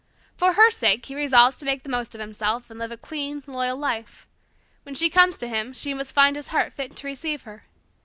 For her sake he resolves to make the most of himself, and live a clean, loyal life. When she comes to him she must find his heart fit to receive her.